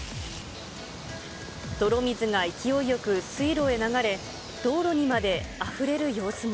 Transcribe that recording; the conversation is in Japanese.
泥水が勢いよく水路へ流れ、道路にまであふれる様子も。